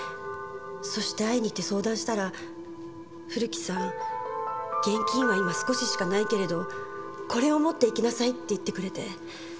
そして会いに行って相談したら古木さん現金は今少ししかないけれどこれを持って行きなさいって言ってくれて。